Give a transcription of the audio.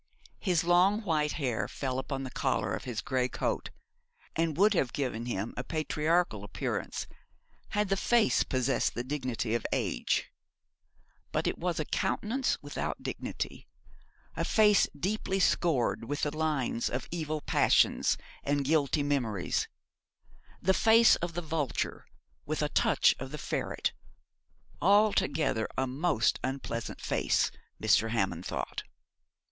His long white hair fell upon the collar of his grey coat, and would have given him a patriarchal appearance had the face possessed the dignity of age: but it was a countenance without dignity, a face deeply scored with the lines of evil passions and guilty memories the face of the vulture, with a touch of the ferret altogether a most unpleasant face, Mr. Hammond thought.